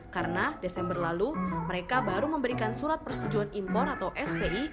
karena desember lalu mereka baru memberikan surat persetujuan impor atau spi